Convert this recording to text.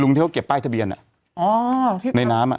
ที่เขาเก็บป้ายทะเบียนในน้ำอ่ะ